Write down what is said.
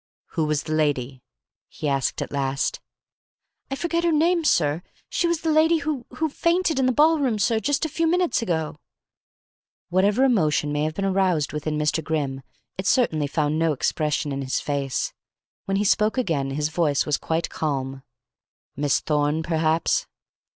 "Who was the lady?" he asked at last. "I forget her name, sir. She was the lady who who fainted in the ball room, sir, just a few minutes ago." Whatever emotion may have been aroused within Mr. Grimm it certainly found no expression in his face. When he spoke again his voice was quite calm. "Miss Thorne, perhaps?"